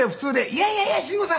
「いやいやいや慎吾さん